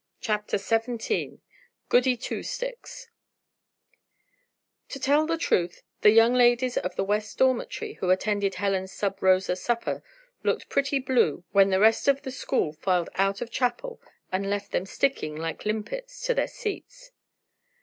CHAPTER XVII GOODY TWO STICKS To tell the truth the young ladies of the West Dormitory who attended Helen's sub rosa supper looked pretty blue when the rest of the school filed out of chapel and left them sticking, like limpets, to their seats.